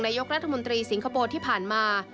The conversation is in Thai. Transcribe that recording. นายกรัฐมนตรีสิงคโปร์ที่ผ่านมา